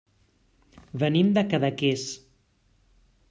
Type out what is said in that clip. Venim de Cadaqués.